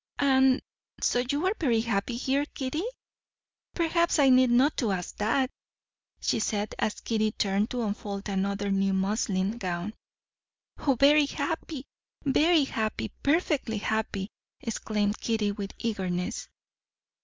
"And so you are very happy here, Kitty? Perhaps I need not ask that," she said, as Kitty turned to unfold another new muslin gown. "Oh, very, very happy, perfectly happy," exclaimed Kitty with eagerness.